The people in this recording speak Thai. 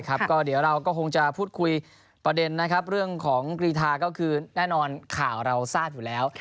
ก็เดี๋ยวเราก็คงจะพูดคุยประเด็นนะครับเรื่องของกรีธาก็คือแน่นอนข่าวเราทราบอยู่แล้ว